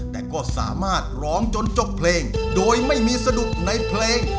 แต่ก็สามารถร้องจนจบเพลงโดยไม่มีสะดุดในเพลง